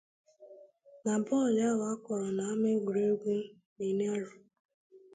Na bọọlụ ahụ A kụrụ n'ama egwuregwu Mineirao